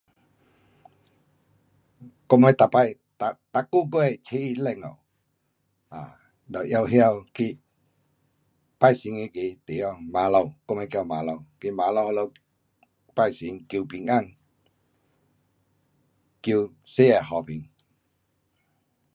我们每次，每，每个月拿什么，um 都全部去拜神那个地方，晚头，到尾叫晚头拜神求平安。求世界和平。